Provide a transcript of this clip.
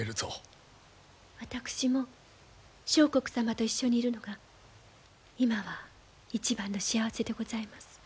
私も相国様と一緒にいるのが今は一番の幸せでございます。